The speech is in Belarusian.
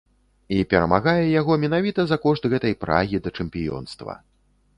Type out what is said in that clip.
І перамагае яго менавіта за кошт гэтай прагі да чэмпіёнства.